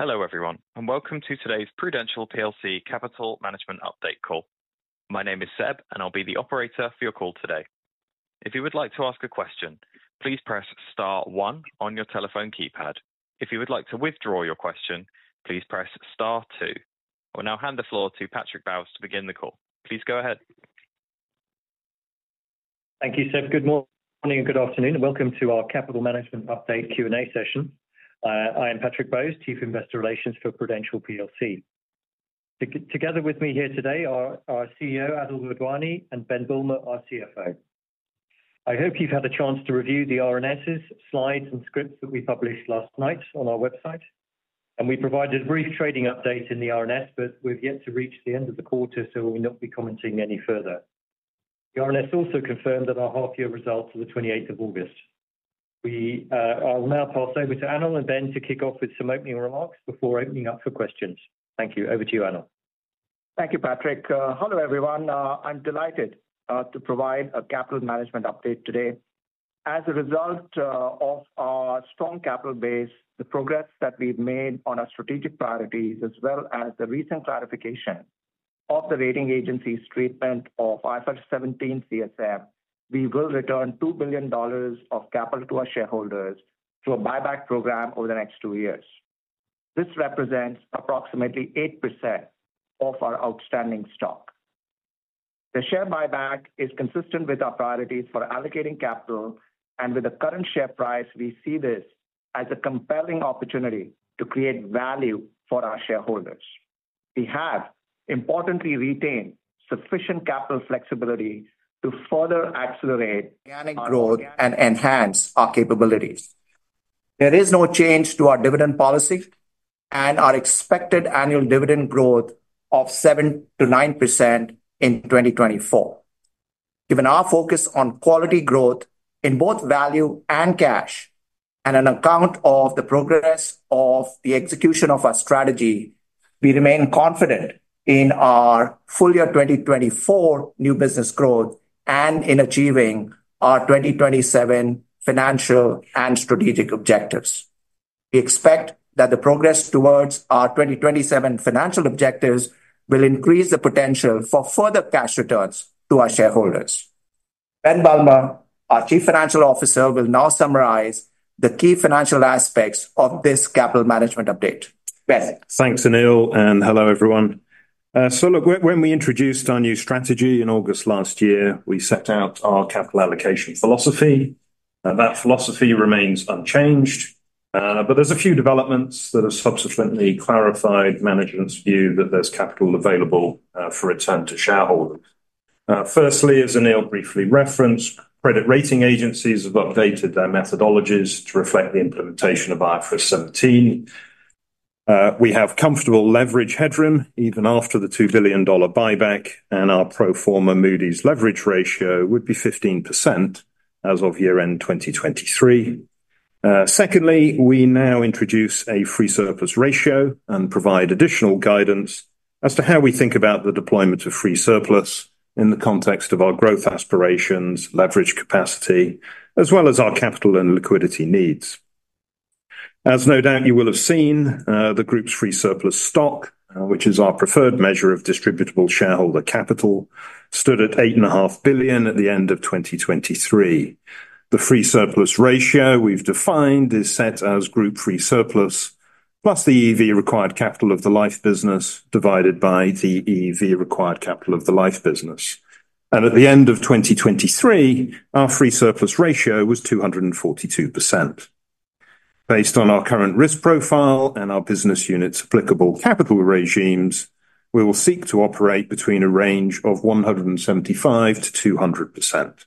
Hello everyone, and welcome to today's Prudential plc Capital Management Update call. My name is Seb, and I'll be the operator for your call today. If you would like to ask a question, please press Star 1 on your telephone keypad. If you would like to withdraw your question, please press Star 2. I will now hand the floor to Patrick Bowes to begin the call. Please go ahead. Thank you, Seb. Good morning and good afternoon. Welcome to our Capital Management Update Q&A session. I am Patrick Bowes, Chief Investor Relations for Prudential plc. Together with me here today are our CEO, Anil Wadhwani, and Ben Bulmer, our CFO. I hope you've had a chance to review the RNS's slides and scripts that we published last night on our website, and we provided a brief trading update in the RNS, but we've yet to reach the end of the quarter, so we'll not be commenting any further. The RNS also confirmed that our half-year results are the August 28th. I will now pass over to Anil and Ben to kick off with some opening remarks before opening up for questions. Thank you. Over to you, Anil. Thank you, Patrick. Hello everyone. I'm delighted to provide a Capital Management Update today. As a result of our strong capital base, the progress that we've made on our strategic priorities, as well as the recent clarification of the rating agency's treatment of IFRS 17 CSM, we will return $2 billion of capital to our shareholders through a buyback program over the next two years. This represents approximately 8% of our outstanding stock. The share buyback is consistent with our priorities for allocating capital, and with the current share price, we see this as a compelling opportunity to create value for our shareholders. We have importantly retained sufficient capital flexibility to further accelerate organic growth and enhance our capabilities. There is no change to our dividend policy and our expected annual dividend growth of 7%-9% in 2024. Given our focus on quality growth in both value and cash, and an account of the progress of the execution of our strategy, we remain confident in our full year 2024 new business growth and in achieving our 2027 financial and strategic objectives. We expect that the progress towards our 2027 financial objectives will increase the potential for further cash returns to our shareholders. Ben Bulmer, our Chief Financial Officer, will now summarize the key financial aspects of this Capital Management Update. Ben? Thanks, Anil, and hello everyone. So look, when we introduced our new strategy in August last year, we set out our capital allocation philosophy, and that philosophy remains unchanged. But there's a few developments that have subsequently clarified management's view that there's capital available for return to shareholders. Firstly, as Anil briefly referenced, credit rating agencies have updated their methodologies to reflect the implementation of IFRS 17. We have comfortable leverage headroom even after the $2 billion buyback, and our pro forma Moody's leverage ratio would be 15% as of year-end 2023. Secondly, we now introduce a free surplus ratio and provide additional guidance as to how we think about the deployment of free surplus in the context of our growth aspirations, leverage capacity, as well as our capital and liquidity needs. As no doubt you will have seen, the group's free surplus stock, which is our preferred measure of distributable shareholder capital, stood at $8.5 billion at the end of 2023. The free surplus ratio we've defined is set as group free surplus plus the EV required capital of the life business divided by the EV required capital of the life business. At the end of 2023, our free surplus ratio was 242%. Based on our current risk profile and our business unit's applicable capital regimes, we will seek to operate between a range of 175%-200%.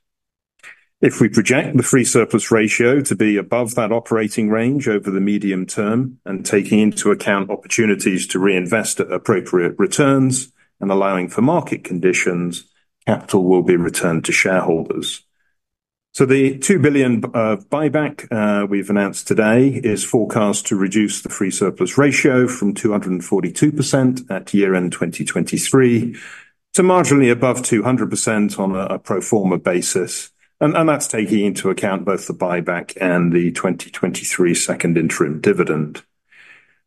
If we project the free surplus ratio to be above that operating range over the medium term and taking into account opportunities to reinvest at appropriate returns and allowing for market conditions, capital will be returned to shareholders. So the $2 billion buyback we've announced today is forecast to reduce the free surplus ratio from 242% at year-end 2023 to marginally above 200% on a pro forma basis, and that's taking into account both the buyback and the 2023 second interim dividend.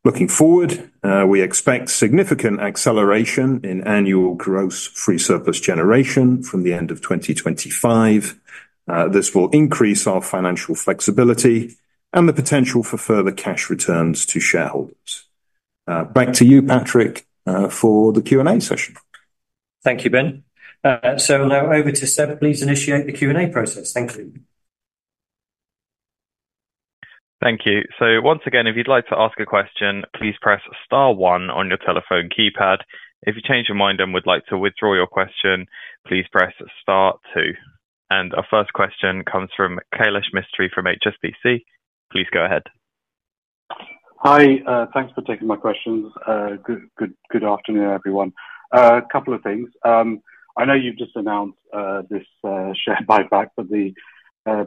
Looking forward, we expect significant acceleration in annual gross free surplus generation from the end of 2025. This will increase our financial flexibility and the potential for further cash returns to shareholders. Back to you, Patrick, for the Q&A session. Thank you, Ben. So now over to Seb. Please initiate the Q&A process. Thank you. Thank you. So once again, if you'd like to ask a question, please press Star 1 on your telephone keypad. If you change your mind and would like to withdraw your question, please press Star 2. And our first question comes from Kailash Mistry from HSBC. Please go ahead. Hi, thanks for taking my questions. Good afternoon, everyone. A couple of things. I know you've just announced this share buyback, but the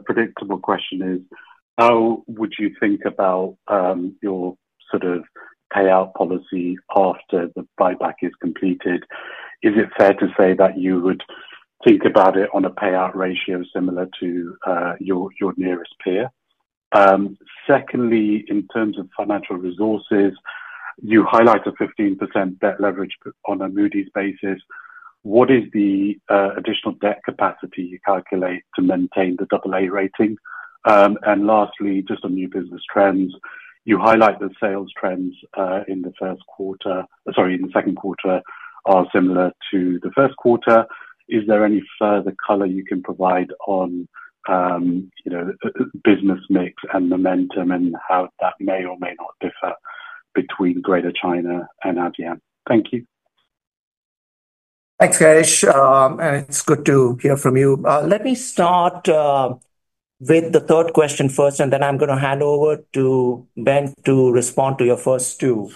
predictable question is, how would you think about your sort of payout policy after the buyback is completed? Is it fair to say that you would think about it on a payout ratio similar to your nearest peer? Secondly, in terms of financial resources, you highlight a 15% debt leverage on a Moody's basis. What is the additional debt capacity you calculate to maintain the AA rating? And lastly, just on new business trends, you highlight that sales trends in the first quarter, sorry, in the second quarter, are similar to the first quarter. Is there any further color you can provide on business mix and momentum and how that may or may not differ between Greater China and ASEAN? Thank you. Thanks, Kailash. It's good to hear from you. Let me start with the third question first, and then I'm going to hand over to Ben to respond to your first two.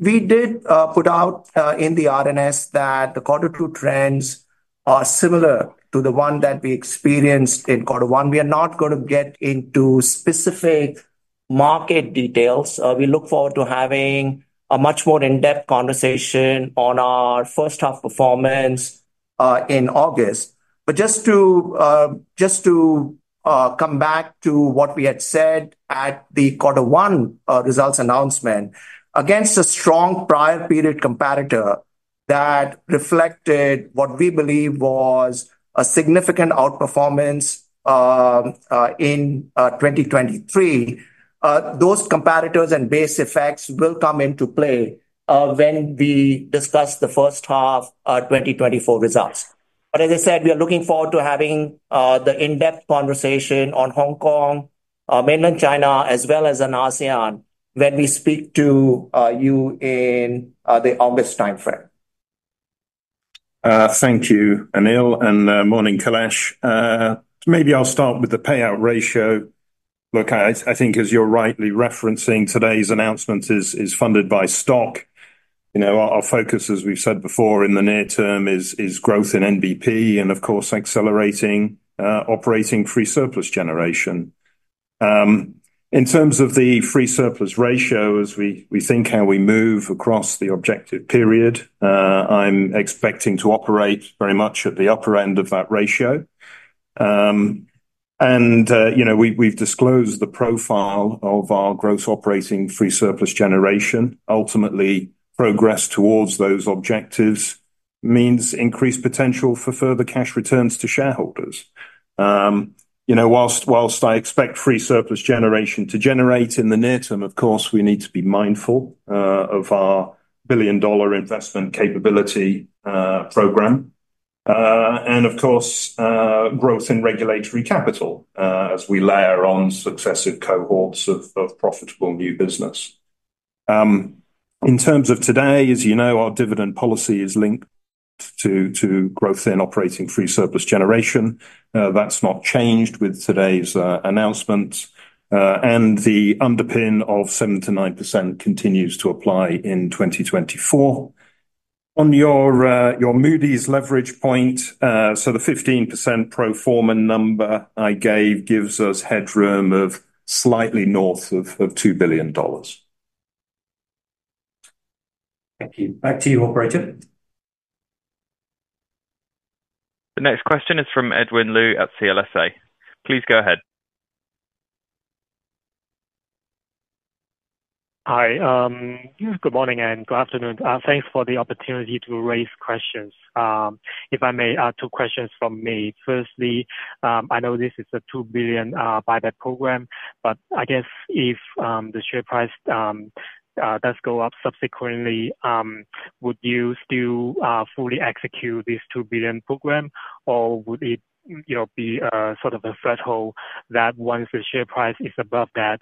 We did put out in the RNS that the quarter two trends are similar to the one that we experienced in quarter one. We are not going to get into specific market details. We look forward to having a much more in-depth conversation on our first half performance in August. Just to come back to what we had said at the quarter one results announcement, against a strong prior period competitor that reflected what we believe was a significant outperformance in 2023, those competitors and base effects will come into play when we discuss the first half 2024 results. But as I said, we are looking forward to having the in-depth conversation on Hong Kong, Mainland China, as well as in ASEAN when we speak to you in the August timeframe. Thank you, Anil, and morning, Kailash. Maybe I'll start with the payout ratio. Look, I think as you're rightly referencing, today's announcement is funded by stock. Our focus, as we've said before, in the near term is growth in NBP and, of course, accelerating operating free surplus generation. In terms of the free surplus ratio, as we think how we move across the objective period, I'm expecting to operate very much at the upper end of that ratio. We've disclosed the profile of our gross operating free surplus generation. Ultimately, progress towards those objectives means increased potential for further cash returns to shareholders. While I expect free surplus generation to generate in the near term, of course, we need to be mindful of our billion-dollar investment capability program. Of course, growth in regulatory capital as we layer on successive cohorts of profitable new business. In terms of today, as you know, our dividend policy is linked to growth in operating free surplus generation. That's not changed with today's announcements. The underpin of 7%-9% continues to apply in 2024. On your Moody's leverage point, so the 15% pro forma number I gave gives us headroom of slightly north of $2 billion. Thank you. Back to you, operator. The next question is from Edwin Lu at CLSA. Please go ahead. Hi. Good morning and good afternoon. Thanks for the opportunity to raise questions. If I may, two questions from me. Firstly, I know this is a $2 billion buyback program, but I guess if the share price does go up subsequently, would you still fully execute this $2 billion program, or would it be sort of a threshold that once the share price is above that,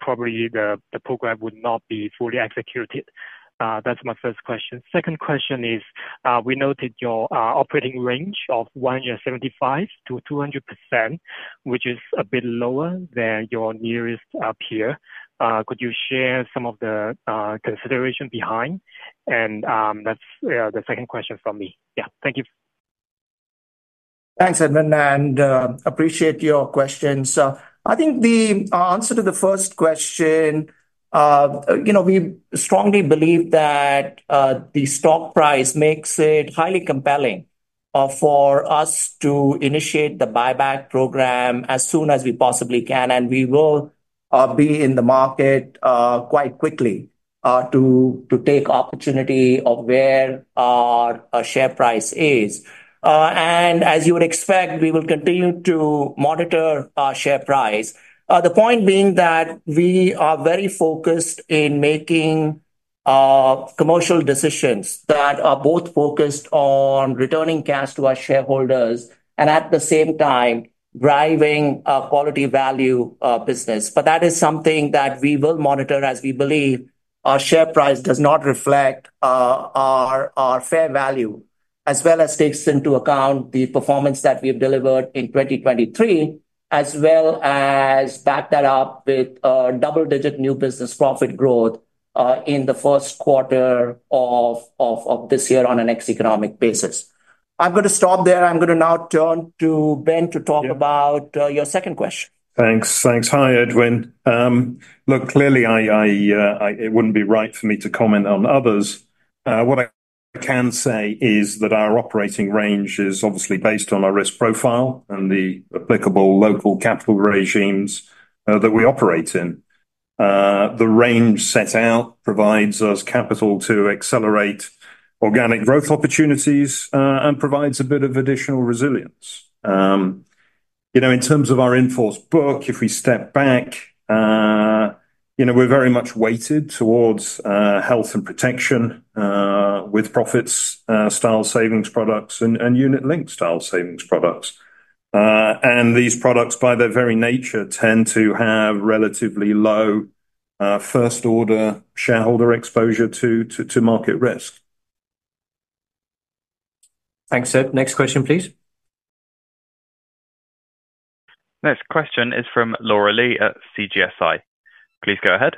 probably the program would not be fully executed? That's my first question. Second question is, we noted your operating range of 175%-200%, which is a bit lower than your nearest peer. Could you share some of the consideration behind? And that's the second question from me. Yeah, thank you. Thanks, Edwin, and appreciate your questions. I think the answer to the first question, we strongly believe that the stock price makes it highly compelling for us to initiate the buyback program as soon as we possibly can, and we will be in the market quite quickly to take opportunity of where our share price is. And as you would expect, we will continue to monitor our share price. The point being that we are very focused in making commercial decisions that are both focused on returning cash to our shareholders and at the same time driving a quality value business. But that is something that we will monitor as we believe our share price does not reflect our fair value, as well as takes into account the performance that we have delivered in 2023, as well as back that up with double-digit new business profit growth in the first quarter of this year on an ex-economic basis. I'm going to stop there. I'm going to now turn to Ben to talk about your second question. Thanks. Thanks. Hi, Edwin. Look, clearly it wouldn't be right for me to comment on others. What I can say is that our operating range is obviously based on our risk profile and the applicable local capital regimes that we operate in. The range set out provides us capital to accelerate organic growth opportunities and provides a bit of additional resilience. In terms of our in-force book, if we step back, we're very much weighted towards health and protection with-profits-style savings products and unit-linked-style savings products. And these products, by their very nature, tend to have relatively low first-order shareholder exposure to market risk. Thanks, Seb. Next question, please. Next question is from Laura Lee at CGSI. Please go ahead.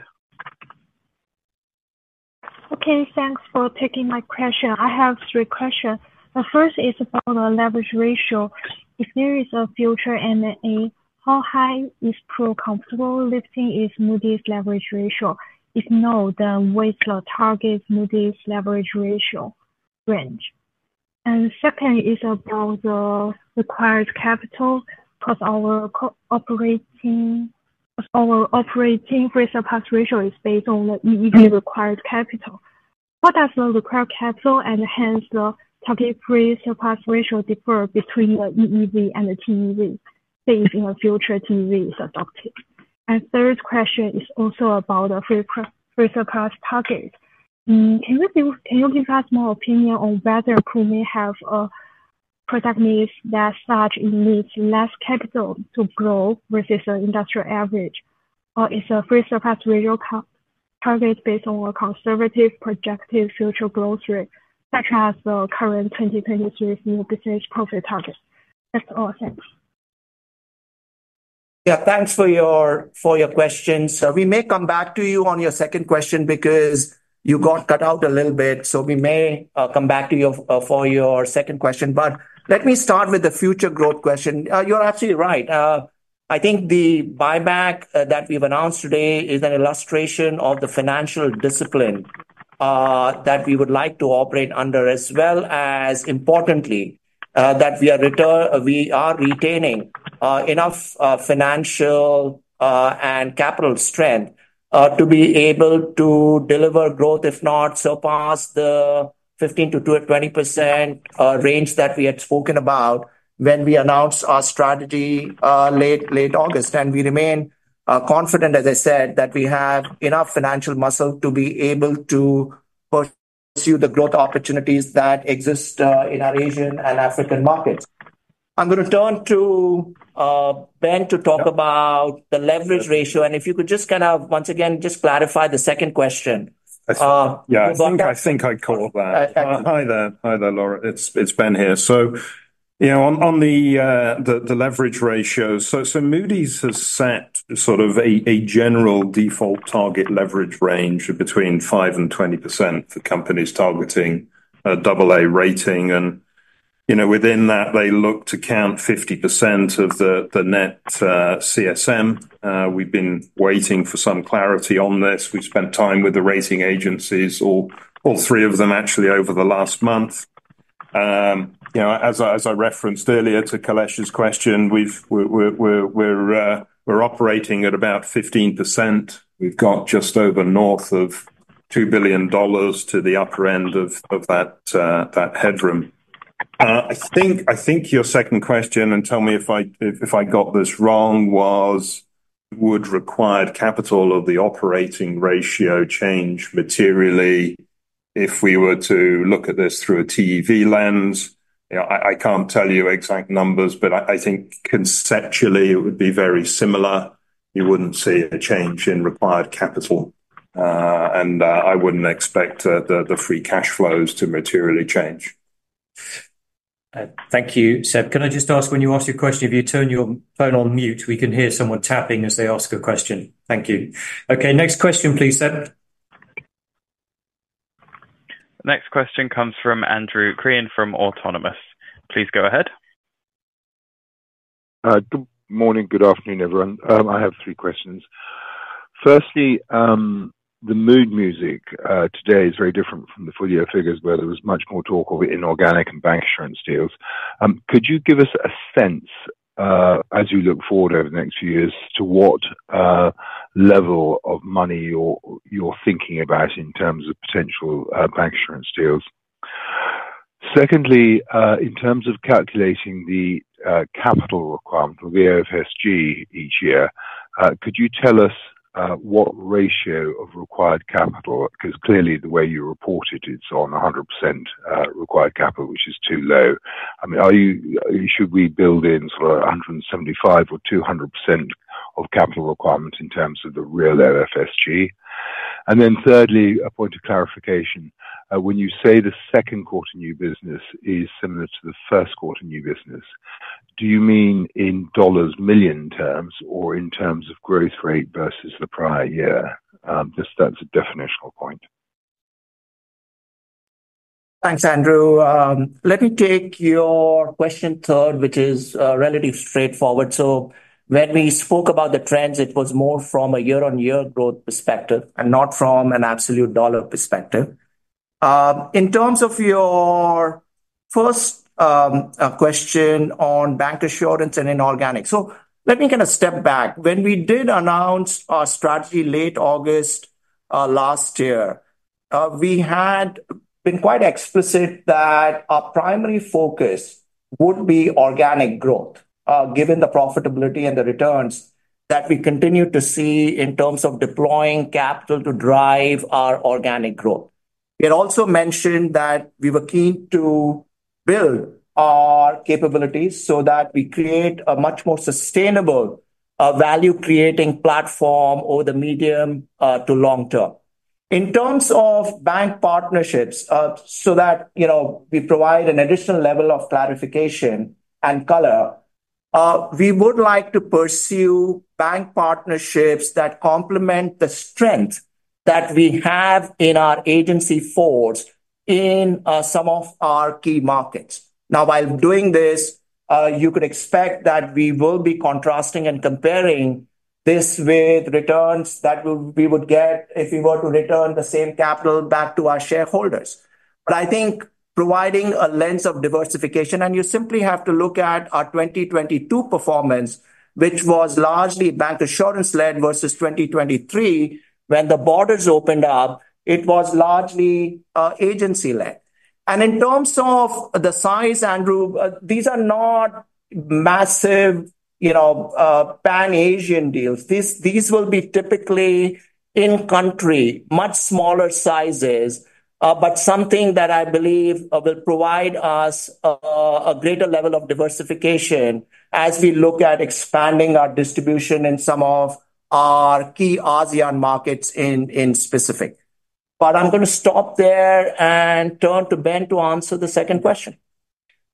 Okay, thanks for taking my question. I have three questions. The first is about the leverage ratio. If there is a future M&A, how high is Prudential comfortable lifting its Moody's leverage ratio? If not, then what's the target Moody's leverage ratio range? And second is about the required capital and our operating free surplus ratio is based on the EEV required capital. What does the required capital and hence the target free surplus ratio differ between the EEV and the TEV based on a future TEV is adopted? And third question is also about the free surplus target. Can you give us more opinion on whether we may have a product mix that such it needs less capital to grow versus an industry average, or is the free surplus ratio target based on a conservative projected future growth rate, such as the current 2023 new business profit target? That's all, thanks. Yeah, thanks for your questions. We may come back to you on your second question because you got cut out a little bit. So we may come back to you for your second question. But let me start with the future growth question. You're absolutely right. I think the buyback that we've announced today is an illustration of the financial discipline that we would like to operate under, as well as importantly that we are retaining enough financial and capital strength to be able to deliver growth, if not surpass the 15%-20% range that we had spoken about when we announced our strategy late August. And we remain confident, as I said, that we have enough financial muscle to be able to pursue the growth opportunities that exist in our Asian and African markets. I'm going to turn to Ben to talk about the leverage ratio. If you could just kind of once again just clarify the second question. I think I caught that. Hi there, Laura. It's Ben here. So on the leverage ratio, so Moody's has set sort of a general default target leverage range between 5%-20% for companies targeting AA rating. And within that, they look to count 50% of the net CSM. We've been waiting for some clarity on this. We've spent time with the rating agencies, all three of them actually, over the last month. As I referenced earlier to Kailash's question, we're operating at about 15%. We've got just over north of $2 billion to the upper end of that headroom. I think your second question, and tell me if I got this wrong, was would required capital of the operating ratio change materially if we were to look at this through a TEV lens. I can't tell you exact numbers, but I think conceptually it would be very similar. You wouldn't see a change in required capital. I wouldn't expect the free cash flows to materially change. Thank you, Seb. Can I just ask when you ask your question, if you turn your phone on mute, we can hear someone tapping as they ask a question? Thank you. Okay, next question, please, Seb. Next question comes from Andrew Crean from Autonomous. Please go ahead. Good morning, good afternoon, everyone. I have three questions. Firstly, the mood music today is very different from the full-year figures where there was much more talk of inorganic and bancassurance deals. Could you give us a sense as you look forward over the next few years to what level of money you're thinking about in terms of potential bancassurance deals? Secondly, in terms of calculating the capital requirement of the OFSG each year, could you tell us what ratio of required capital? Because clearly the way you report it, it's on 100% required capital, which is too low. I mean, should we build in sort of 175% or 200% of capital requirements in terms of the real OFSG? And then thirdly, a point of clarification. When you say the second quarter new business is similar to the first quarter new business, do you mean in dollars million terms or in terms of growth rate versus the prior year? Just, that's a definitional point. Thanks, Andrew. Let me take your question third, which is relatively straightforward. So when we spoke about the trends, it was more from a year-on-year growth perspective and not from an absolute dollar perspective. In terms of your first question on bancassurance and inorganic, so let me kind of step back. When we did announce our strategy late August last year, we had been quite explicit that our primary focus would be organic growth, given the profitability and the returns that we continue to see in terms of deploying capital to drive our organic growth. We had also mentioned that we were keen to build our capabilities so that we create a much more sustainable value-creating platform over the medium to long term. In terms of bank partnerships, so that we provide an additional level of clarification and color, we would like to pursue bank partnerships that complement the strength that we have in our agency force in some of our key markets. Now, while doing this, you could expect that we will be contrasting and comparing this with returns that we would get if we were to return the same capital back to our shareholders. But I think providing a lens of diversification, and you simply have to look at our 2022 performance, which was largely bancassurance-led versus 2023 when the borders opened up, it was largely agency-led. In terms of the size, Andrew, these are not massive Pan-Asian deals. These will be typically in-country, much smaller sizes, but something that I believe will provide us a greater level of diversification as we look at expanding our distribution in some of our key ASEAN markets in specific. But I'm going to stop there and turn to Ben to answer the second question.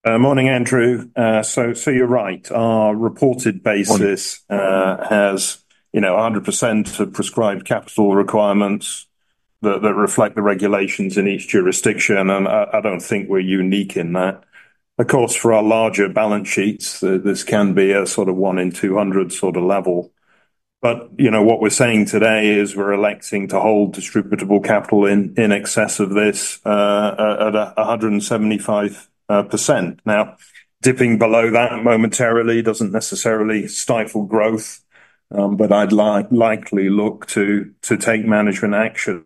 Morning, Andrew. So you're right. Our reported basis has 100% of prescribed capital requirements that reflect the regulations in each jurisdiction. And I don't think we're unique in that. Of course, for our larger balance sheets, this can be a sort of 1 in 200 sort of level. But what we're saying today is we're electing to hold distributable capital in excess of this at 175%. Now, dipping below that momentarily doesn't necessarily stifle growth, but I'd likely look to take management actions.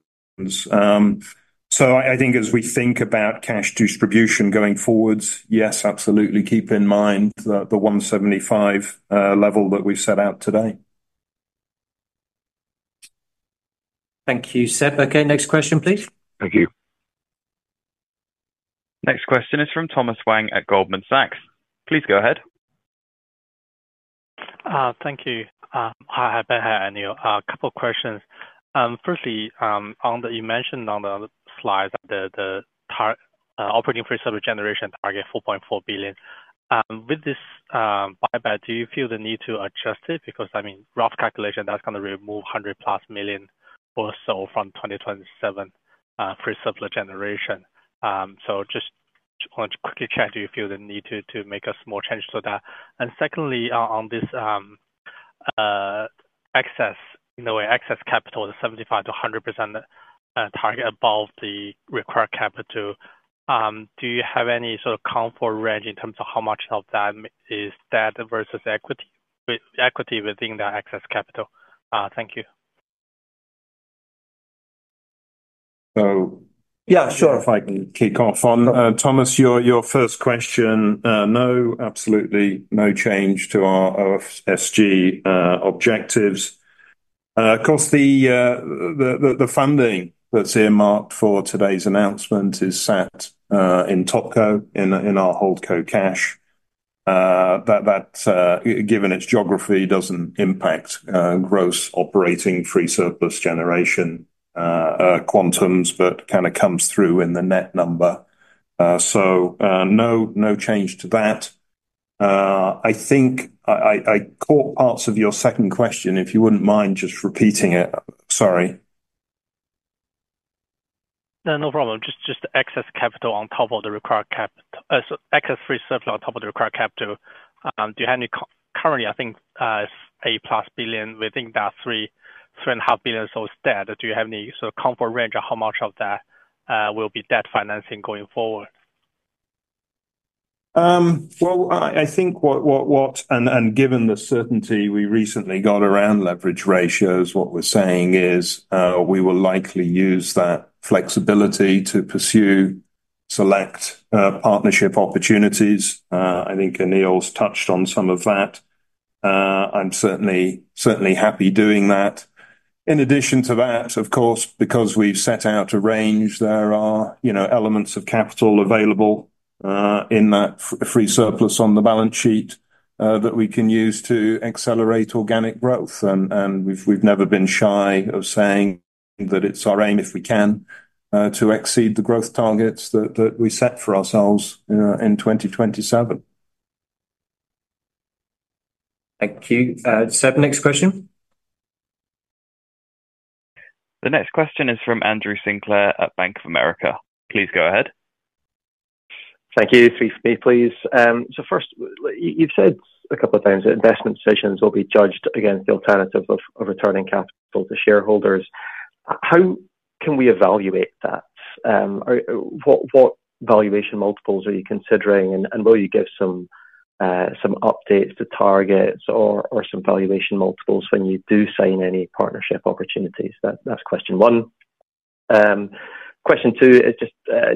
So I think as we think about cash distribution going forwards, yes, absolutely keep in mind the 175 level that we've set out today. Thank you, Seb. Okay, next question, please. Thank you. Next question is from Thomas Wang at Goldman Sachs. Please go ahead. Thank you. Hi, Ben here. A couple of questions. Firstly, on the, you mentioned on the slide that the operating free surplus generation target $4.4 billion. With this buyback, do you feel the need to adjust it? Because I mean, rough calculation, that's going to remove $100+ million or so from 2027 free surplus generation. So just want to quickly check, do you feel the need to make a small change to that? And secondly, on this excess, in a way, excess capital, the 75%-100% target above the required capital, do you have any sort of comfort range in terms of how much of that is debt versus equity within that excess capital? Thank you. So yeah, sure, if I can kick off on Thomas, your first question, no, absolutely no change to our OFSG objectives. Of course, the funding that's earmarked for today's announcement is set in Topco in our Holdco cash. Given its geography, it doesn't impact gross operating free surplus generation quantums, but kind of comes through in the net number. So no change to that. I think I caught parts of your second question. If you wouldn't mind just repeating it, sorry. No problem. Just excess capital on top of the required capital, excess free surplus on top of the required capital. Do you have any currently? I think $1 billion within that $3.5 billion or so is debt? Do you have any sort of comfort range on how much of that will be debt financing going forward? Well, I think what, and given the certainty we recently got around leverage ratios, what we're saying is we will likely use that flexibility to pursue select partnership opportunities. I think Anil's touched on some of that. I'm certainly happy doing that. In addition to that, of course, because we've set out a range, there are elements of capital available in that free surplus on the balance sheet that we can use to accelerate organic growth. And we've never been shy of saying that it's our aim, if we can, to exceed the growth targets that we set for ourselves in 2027. Thank you. Seb, next question. The next question is from Andrew Sinclair at Bank of America. Please go ahead. Thank you. Three for me, please. So first, you've said a couple of times that investment decisions will be judged against the alternative of returning capital to shareholders. How can we evaluate that? What valuation multiples are you considering? And will you give some updates to targets or some valuation multiples when you do sign any partnership opportunities? That's question one. Question two is just to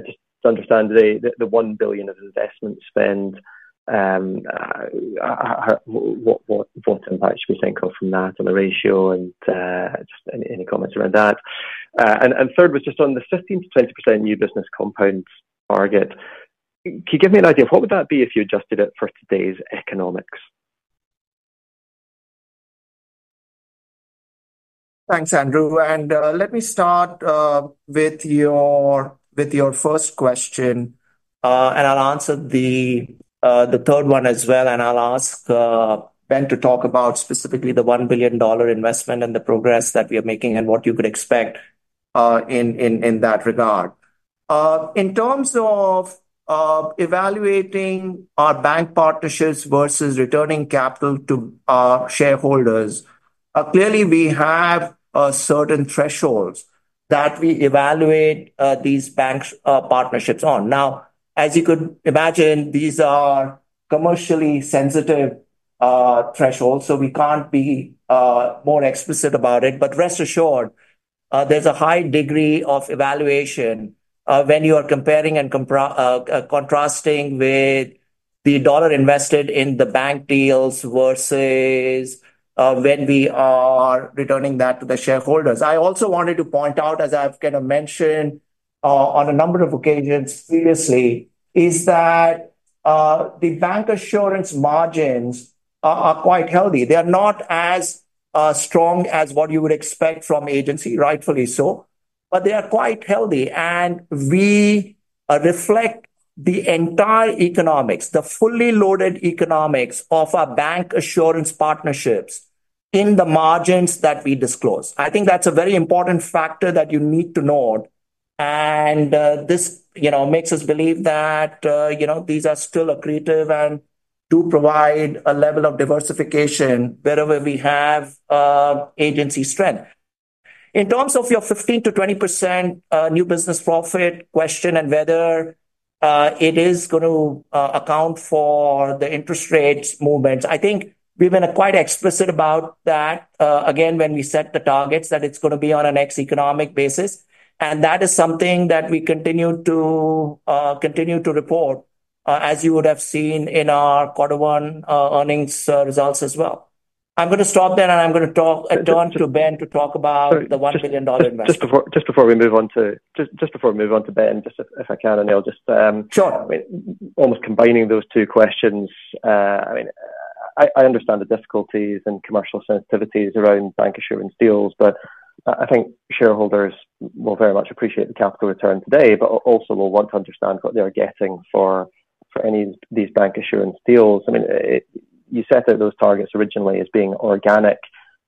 understand the $1 billion of investment spend, what impact should we think of from that and the ratio and just any comments around that? And third was just on the 15%-20% new business compound target. Can you give me an idea of what would that be if you adjusted it for today's economics? Thanks, Andrew. Let me start with your first question, and I'll answer the third one as well. I'll ask Ben to talk about specifically the $1 billion investment and the progress that we are making and what you could expect in that regard. In terms of evaluating our bank partnerships versus returning capital to our shareholders, clearly we have certain thresholds that we evaluate these bank partnerships on. Now, as you could imagine, these are commercially sensitive thresholds, so we can't be more explicit about it. Rest assured, there's a high degree of evaluation when you are comparing and contrasting with the dollar invested in the bank deals versus when we are returning that to the shareholders. I also wanted to point out, as I've kind of mentioned on a number of occasions previously, is that the bancassurance margins are quite healthy. They are not as strong as what you would expect from agency, rightfully so, but they are quite healthy. We reflect the entire economics, the fully loaded economics of our bancassurance partnerships in the margins that we disclose. I think that's a very important factor that you need to know. This makes us believe that these are still accretive and do provide a level of diversification wherever we have agency strength. In terms of your 15%-20% new business profit question and whether it is going to account for the interest rates movements, I think we've been quite explicit about that. Again, when we set the targets that it's going to be on an ex-economic basis. That is something that we continue to report, as you would have seen in our quarter one earnings results as well. I'm going to stop there, and I'm going to turn to Ben to talk about the $1 billion investment. Just before we move on to Ben, if I can, Anil, almost combining those two questions. I mean, I understand the difficulties and commercial sensitivities around bancassurance deals, but I think shareholders will very much appreciate the capital return today, but also will want to understand what they're getting for any of these bancassurance deals. I mean, you set out those targets originally as being organic.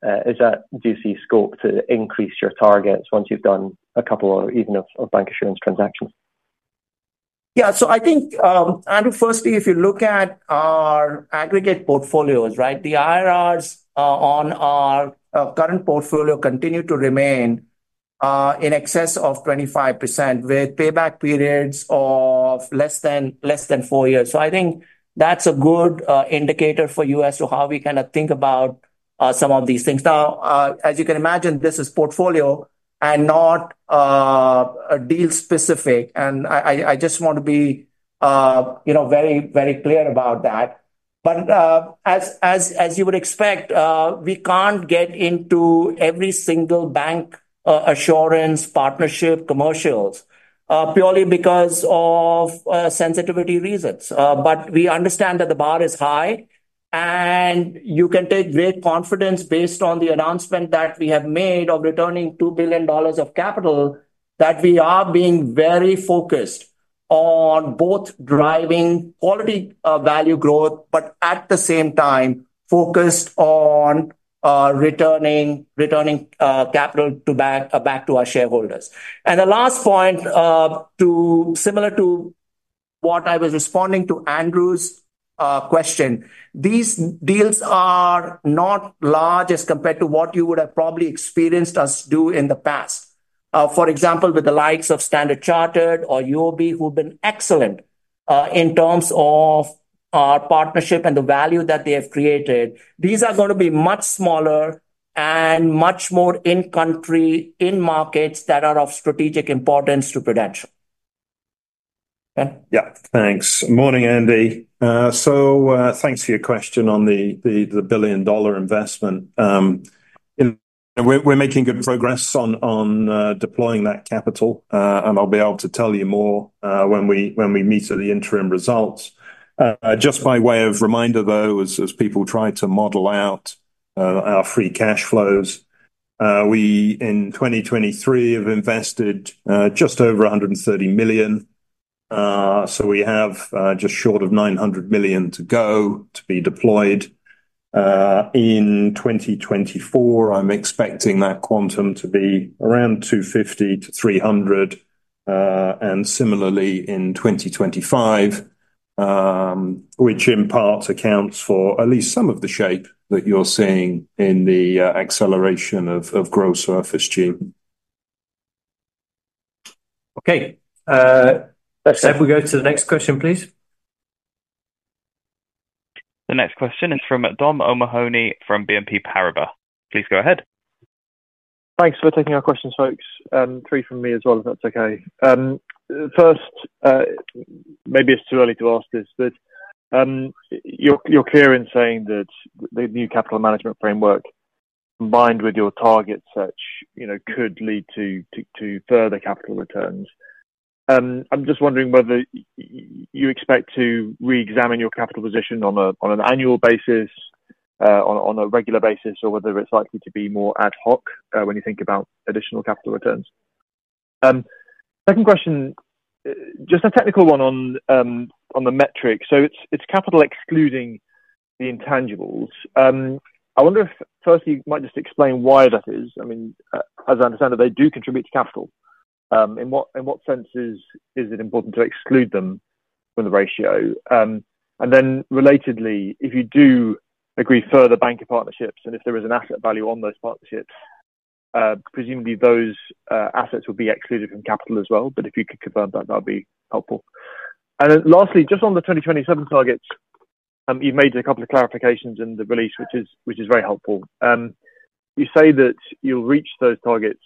Do you see scope to increase your targets once you've done a couple or even of bancassurance transactions? Yeah. So I think, Andrew, firstly, if you look at our aggregate portfolios, right, the IRRs on our current portfolio continue to remain in excess of 25% with payback periods of less than four years. So I think that's a good indicator for us to how we kind of think about some of these things. Now, as you can imagine, this is portfolio and not deal specific. And I just want to be very, very clear about that. But as you would expect, we can't get into every single bancassurance partnership commercials purely because of sensitivity reasons. But we understand that the bar is high, and you can take great confidence based on the announcement that we have made of returning $2 billion of capital, that we are being very focused on both driving quality value growth, but at the same time, focused on returning capital back to our shareholders. And the last point, similar to what I was responding to Andrew's question, these deals are not large as compared to what you would have probably experienced us do in the past. For example, with the likes of Standard Chartered or UOB, who've been excellent in terms of our partnership and the value that they have created, these are going to be much smaller and much more in-country, in markets that are of strategic importance to Prudential. Yeah, thanks. Morning, Andy. So thanks for your question on the $1 billion investment. We're making good progress on deploying that capital, and I'll be able to tell you more when we meet at the interim results. Just by way of reminder, though, as people try to model out our free cash flows, we in 2023 have invested just over $130 million. So we have just short of $900 million to go to be deployed. In 2024, I'm expecting that quantum to be around $250 million-$300 million. And similarly, in 2025, which in part accounts for at least some of the shape that you're seeing in the acceleration of gross OFSG. Okay. If we go to the next question, please. The next question is from Dom O’Mahony from BNP Paribas. Please go ahead. Thanks for taking our questions, folks. Three from me as well, if that's okay. First, maybe it's too early to ask this, but you're clear in saying that the new capital management framework, combined with your target search, could lead to further capital returns. I'm just wondering whether you expect to re-examine your capital position on an annual basis, on a regular basis, or whether it's likely to be more ad hoc when you think about additional capital returns. Second question, just a technical one on the metric. So it's capital excluding the intangibles. I wonder if, firstly, you might just explain why that is. I mean, as I understand it, they do contribute to capital. In what sense is it important to exclude them from the ratio? And then relatedly, if you do agree further banking partnerships and if there is an asset value on those partnerships, presumably those assets would be excluded from capital as well. But if you could confirm that, that would be helpful. And then lastly, just on the 2027 targets, you've made a couple of clarifications in the release, which is very helpful. You say that you'll reach those targets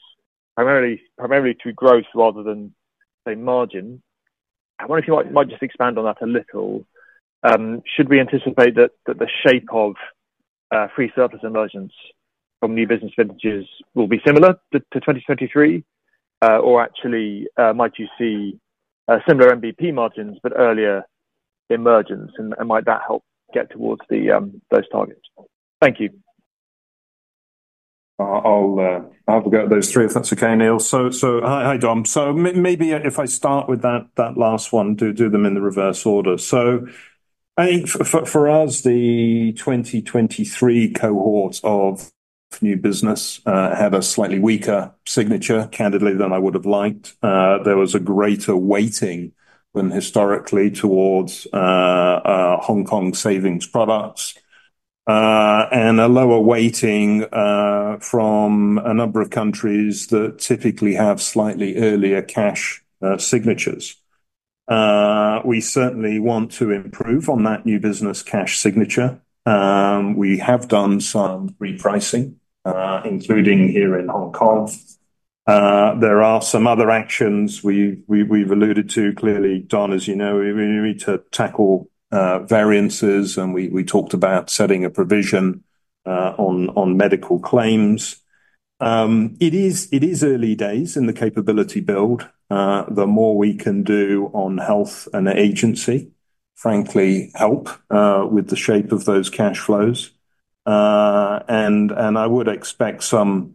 primarily to growth rather than margin. I wonder if you might just expand on that a little. Should we anticipate that the shape of free surplus emergence from new business vintages will be similar to 2023? Or actually, might you see similar NVP margins, but earlier emergence? And might that help get towards those targets? Thank you. I'll have a go at those three, if that's okay, Anil. So hi, Dom. So maybe if I start with that last one, do them in the reverse order. So I think for us, the 2023 cohort of new business had a slightly weaker signature, candidly, than I would have liked. There was a greater weighting than historically towards Hong Kong savings products and a lower weighting from a number of countries that typically have slightly earlier cash signatures. We certainly want to improve on that new business cash signature. We have done some repricing, including here in Hong Kong. There are some other actions we've alluded to. Clearly, Dom, as you know, we need to tackle variances, and we talked about setting a provision on medical claims. It is early days in the capability build. The more we can do on health and agency, frankly, help with the shape of those cash flows. And I would expect some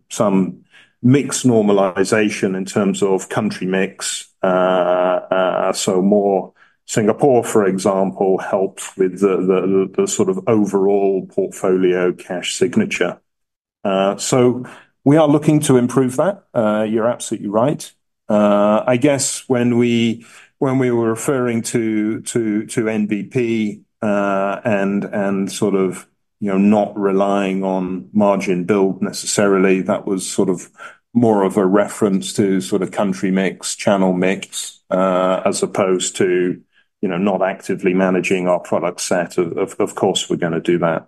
mixed normalization in terms of country mix. So more Singapore, for example, helps with the sort of overall portfolio cash signature. So we are looking to improve that. You're absolutely right. I guess when we were referring to NVP and sort of not relying on margin build necessarily, that was sort of more of a reference to sort of country mix, channel mix, as opposed to not actively managing our product set. Of course, we're going to do that.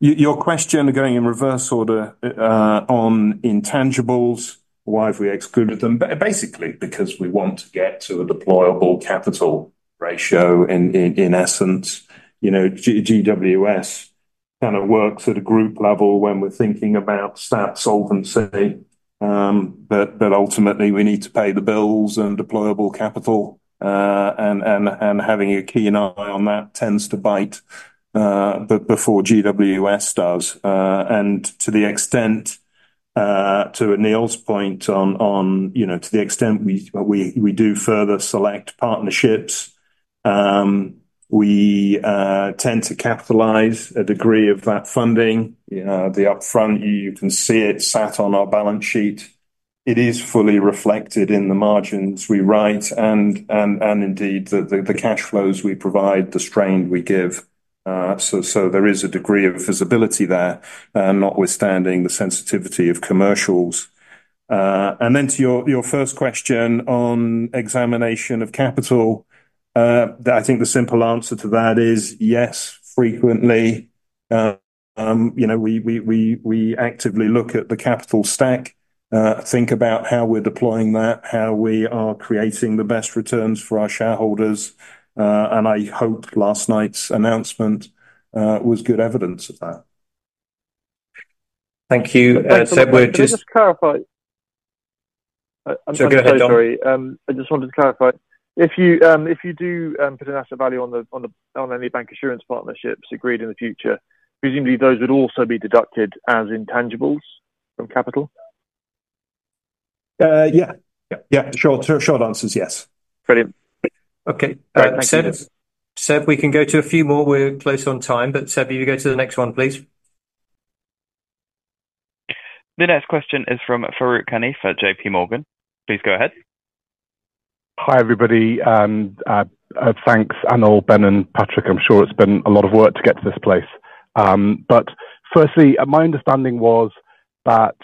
Your question going in reverse order on intangibles, why have we excluded them? Basically, because we want to get to a deployable capital ratio in essence. GWS kind of works at a group level when we're thinking about SAP solvency. But ultimately, we need to pay the bills and deployable capital. And having a keen eye on that tends to bite before GWS does. And to the extent, to Anil's point, to the extent we do further select partnerships, we tend to capitalize a degree of that funding. The upfront, you can see it sat on our balance sheet. It is fully reflected in the margins we write and indeed the cash flows we provide, the strain we give. So there is a degree of visibility there, notwithstanding the sensitivity of commercials. And then to your first question on examination of capital, I think the simple answer to that is yes, frequently. We actively look at the capital stack, think about how we're deploying that, how we are creating the best returns for our shareholders. And I hope last night's announcement was good evidence of that. Thank you. Can I just clarify? Go ahead, Dom. I just wanted to clarify. If you do put an asset value on any bancassurance partnerships agreed in the future, presumably those would also be deducted as intangibles from capital? Yeah. Yeah, sure. Short answer is yes. Brilliant. Okay. All right, Seb, we can go to a few more. We're close on time, but Seb, you go to the next one, please. The next question is from Farooq Hanif at JPMorgan. Please go ahead. Hi, everybody. Thanks, Anil, Ben, and Patrick. I'm sure it's been a lot of work to get to this place. But firstly, my understanding was that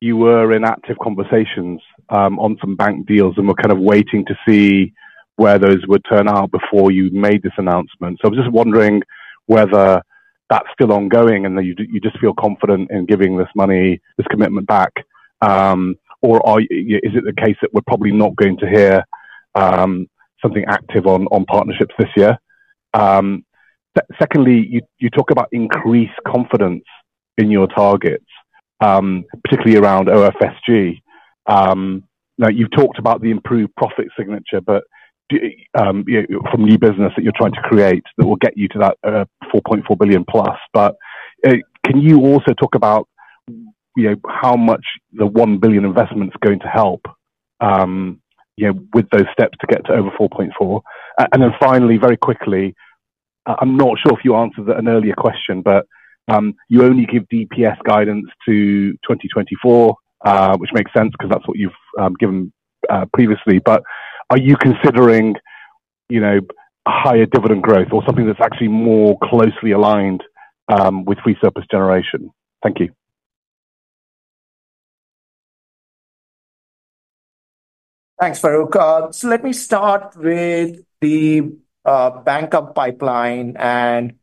you were in active conversations on some bank deals and were kind of waiting to see where those would turn out before you made this announcement. So I was just wondering whether that's still ongoing and you just feel confident in giving this money, this commitment back, or is it the case that we're probably not going to hear something active on partnerships this year? Secondly, you talk about increased confidence in your targets, particularly around OFSG. Now, you've talked about the improved profit signature, but from new business that you're trying to create that will get you to that $4.4+ billion. Can you also talk about how much the $1 billion investment is going to help with those steps to get to over 4.4? Finally, very quickly, I'm not sure if you answered an earlier question, but you only give DPS guidance to 2024, which makes sense because that's what you've given previously. Are you considering higher dividend growth or something that's actually more closely aligned with free surplus generation? Thank you. Thanks, Farooq. So let me start with the bank pipeline. And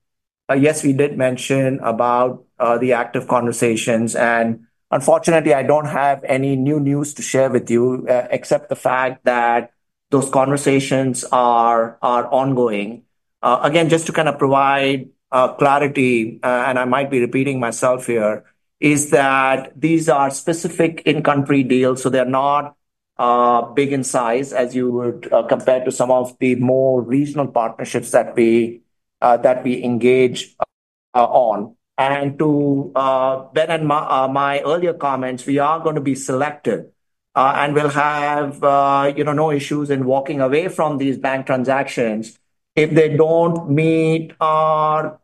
yes, we did mention about the active conversations. And unfortunately, I don't have any new news to share with you except the fact that those conversations are ongoing. Again, just to kind of provide clarity, and I might be repeating myself here, is that these are specific in-country deals, so they're not big in size as you would compare to some of the more regional partnerships that we engage on. And to Ben and my earlier comments, we are going to be selective and will have no issues in walking away from these bank transactions if they don't meet our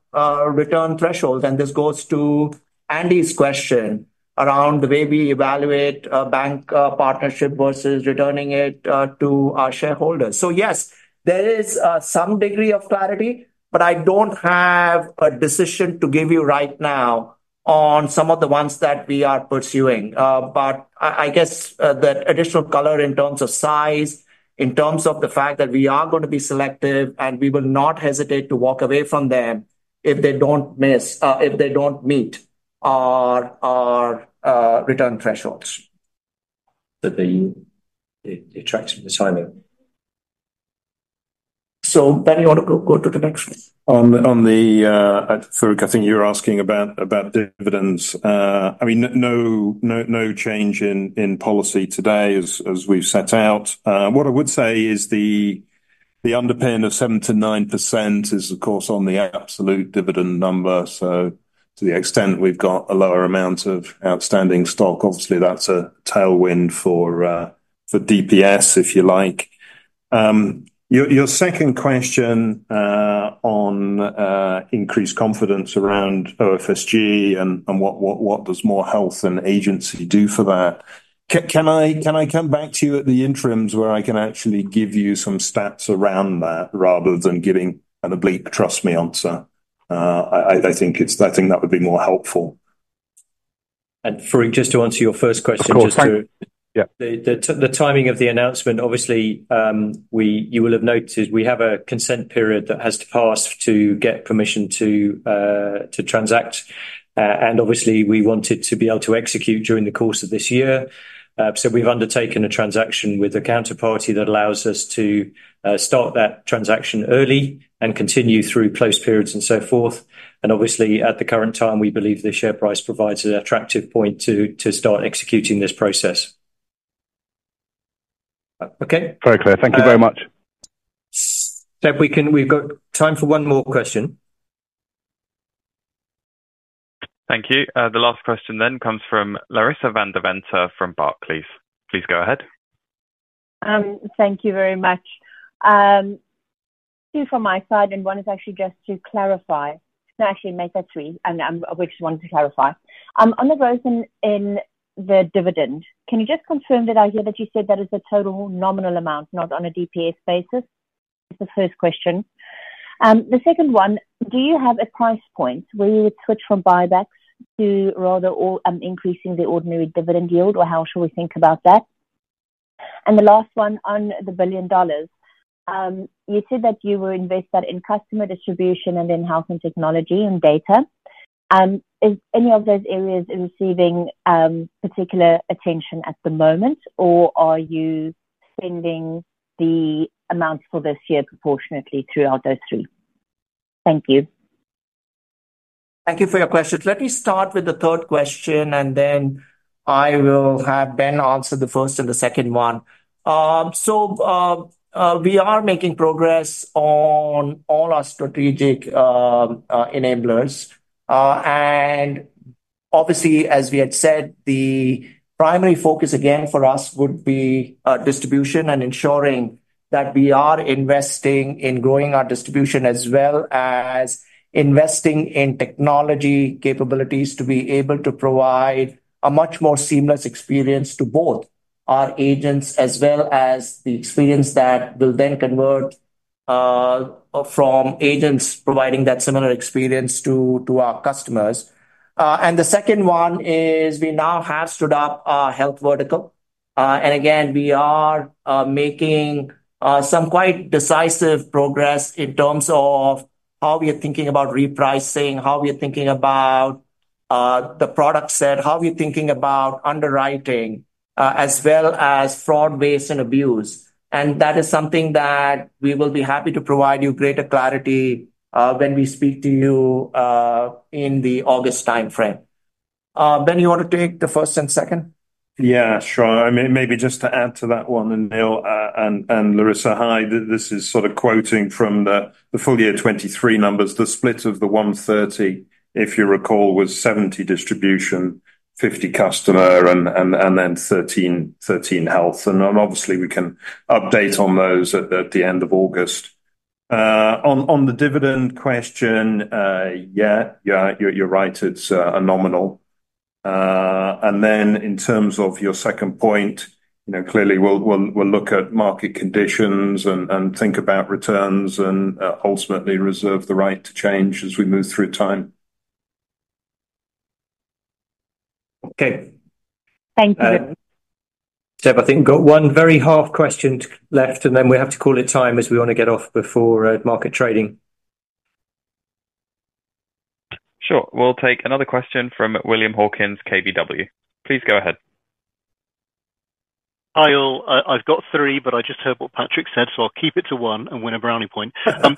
return thresholds. And this goes to Andy's question around the way we evaluate a bank partnership versus returning it to our shareholders. So yes, there is some degree of clarity, but I don't have a decision to give you right now on some of the ones that we are pursuing. But I guess the additional color in terms of size, in terms of the fact that we are going to be selective, and we will not hesitate to walk away from them if they don't meet our return thresholds. So the attraction of the timing. So Ben, you want to go to the next one? On the Farooq, I think you were asking about dividends. I mean, no change in policy today as we've set out. What I would say is the underpin of 7%-9% is, of course, on the absolute dividend number. So to the extent we've got a lower amount of outstanding stock, obviously, that's a tailwind for DPS, if you like. Your second question on increased confidence around OFSG and what does more health and agency do for that? Can I come back to you at the interims where I can actually give you some stats around that rather than giving an oblique trust me answer? I think that would be more helpful. Farooq, just to answer your first question, just the timing of the announcement, obviously, you will have noticed we have a consent period that has to pass to get permission to transact. And obviously, we wanted to be able to execute during the course of this year. So we've undertaken a transaction with a counterparty that allows us to start that transaction early and continue through close periods and so forth. And obviously, at the current time, we believe the share price provides an attractive point to start executing this process. Okay. Very clear. Thank you very much. Seb, we've got time for one more question. Thank you. The last question then comes from Larissa van der Venter from Barclay, please. Please go ahead. Thank you very much. Two from my side, and one is actually just to clarify. No, actually, make that three. I just wanted to clarify. On the growth in the dividend, can you just confirm that I hear that you said that is a total nominal amount, not on a DPS basis? That's the first question. The second one, do you have a price point where you would switch from buybacks to rather increasing the ordinary dividend yield, or how should we think about that? And the last one on the $1 billion, you said that you will invest that in customer distribution and in health and technology and data. Is any of those areas receiving particular attention at the moment, or are you spending the amounts for this year proportionately throughout those three? Thank you. Thank you for your questions. Let me start with the third question, and then I will have Ben answer the first and the second one. So we are making progress on all our strategic enablers. Obviously, as we had said, the primary focus again for us would be distribution and ensuring that we are investing in growing our distribution as well as investing in technology capabilities to be able to provide a much more seamless experience to both our agents as well as the experience that will then convert from agents providing that similar experience to our customers. The second one is we now have stood up our health vertical. And again, we are making some quite decisive progress in terms of how we are thinking about repricing, how we are thinking about the product set, how we are thinking about underwriting, as well as fraud, waste and abuse. That is something that we will be happy to provide you greater clarity when we speak to you in the August timeframe. Ben, you want to take the first and second? Yeah, sure. Maybe just to add to that one, Anil and Larissa, hi, this is sort of quoting from the full year 2023 numbers. The split of the $130, if you recall, was $70 distribution, $50 customer, and then $13 health. And obviously, we can update on those at the end of August. On the dividend question, yeah, you're right, it's a nominal. And then in terms of your second point, clearly, we'll look at market conditions and think about returns and ultimately reserve the right to change as we move through time. Okay. Thank you. Seb, I think we've got one very last question left, and then we have to call it time as we want to get off before market trading. Sure. We'll take another question from William Hawkins, KBW. Please go ahead. Hi, I've got three, but I just heard what Patrick said, so I'll keep it to one and win a Brownie point. The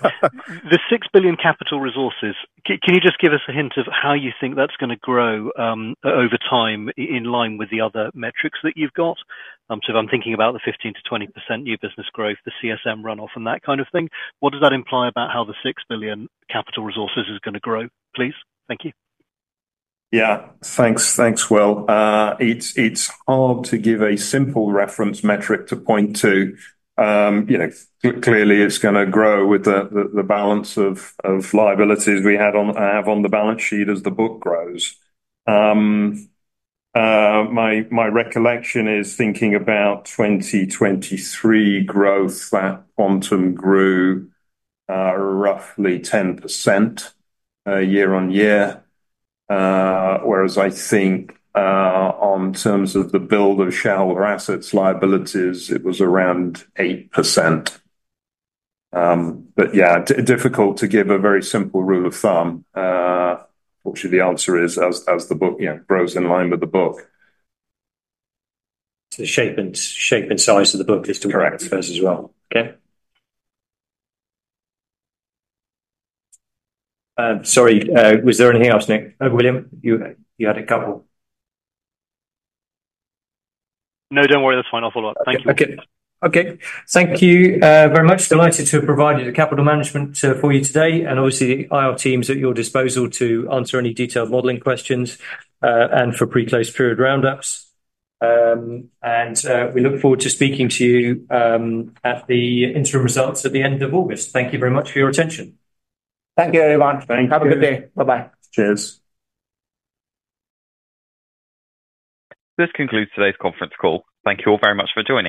$6 billion capital resources, can you just give us a hint of how you think that's going to grow over time in line with the other metrics that you've got? So if I'm thinking about the 15%-20% new business growth, the CSM runoff, and that kind of thing, what does that imply about how the $6 billion capital resources is going to grow, please? Thank you. Yeah, thanks. Thanks, Will. It's hard to give a simple reference metric to point to. Clearly, it's going to grow with the balance of liabilities we have on the balance sheet as the book grows. My recollection is thinking about 2023 growth, that quantum grew roughly 10% year-on-year, whereas I think on terms of the build of shareholder assets liabilities, it was around 8%. But yeah, difficult to give a very simple rule of thumb. Fortunately, the answer is as the book grows in line with the book. So, shape and size of the book is to be expressed as well. Okay. Sorry, was there anything else, Nick? William, you had a couple. No, don't worry. That's fine. I'll follow up. Thank you. Okay. Thank you very much. Delighted to have provided the capital management for you today. Obviously, IR team's at your disposal to answer any detailed modeling questions and for pre-close period roundups. We look forward to speaking to you at the interim results at the end of August. Thank you very much for your attention. Thank you, everyone. Thank you. Have a good day. Bye-bye. Cheers. This concludes today's conference call. Thank you all very much for joining.